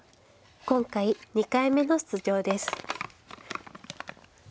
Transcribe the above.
今回２回目の出場です。